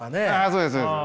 そうですそうです。